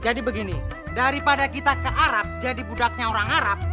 jadi begini daripada kita ke arab jadi budaknya orang arab